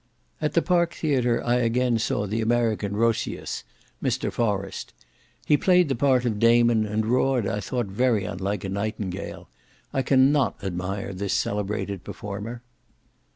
At the Park Theatre I again saw the American Roscius, Mr. Forrest. He played the part of Damon, and roared, I thought, very unlike a nightingale. I cannot admire this celebrated performer.